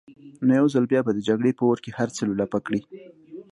نو يو ځل بيا به د جګړې په اور کې هر څه لولپه کړي.